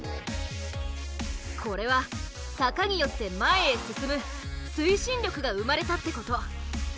これは坂によって前へ進む「推進力」が生まれたってこと。